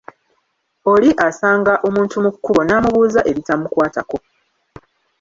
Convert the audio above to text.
Oli asanga omuntu mu kkubo, n'amubuuza ebitamukwatako.